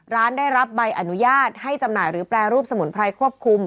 ร้านได้รับใบอนุญาตให้จำหน่ายหรือแปรรูปสมุนไพรควบคุม